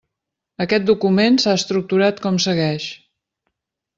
Aquest document s'ha estructurat com segueix.